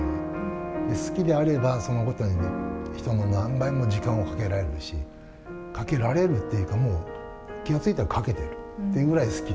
好きであれば、そのことに人の何倍も時間をかけられるし、かけられるというか、もう気が付いたらかけてるっていうぐらい好き。